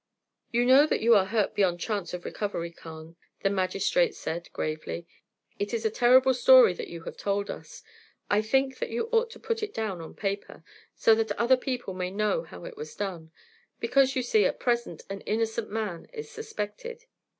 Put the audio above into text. "You know that you are hurt beyond chance of recovery, Carne," the magistrate said, gravely. "It is a terrible story that you have told us. I think that you ought to put it down on paper, so that other people may know how it was done; because, you see, at present, an innocent man is suspected."